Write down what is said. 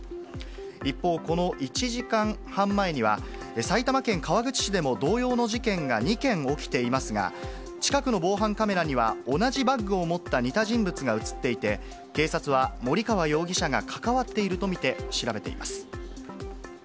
一方、この１時間半前には、埼玉県川口市でも同様の事件が２件起きていますが、近くの防犯カメラには、同じバッグを持った似た人物が写っていて、警察は森川容疑者が関わっていると見て調べています。